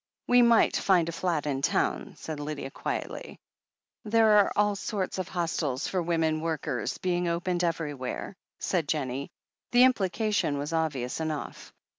"We might find a flat in town," said Lydia quietly. "There are all sorts of hostels for women workers being opened everywhere," said Jennie. The implication was obvious enough.